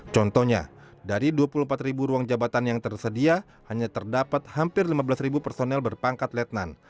contohnya dari dua puluh empat ribu ruang jabatan yang tersedia hanya terdapat hampir lima belas personel berpangkat letnan